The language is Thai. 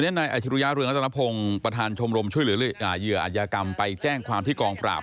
นายอาชิรุยะเรืองรัตนพงศ์ประธานชมรมช่วยเหลือเหยื่ออาจยากรรมไปแจ้งความที่กองปราบ